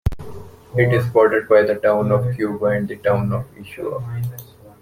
It is bordered by the Town of Cuba and the Town of Ischua.